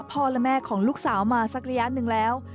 พ่อแม่ของลูกสาวมาสักระยะหนึ่งแล้ว